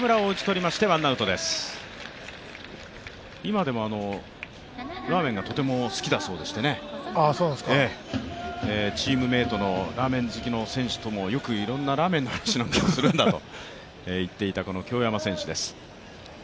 今でもラーメンがとても好きだそうでしてね、チームメートのラーメン好きの選手ともよくいろいろなラーメンの話をするんだと言っていたこの京山選手です。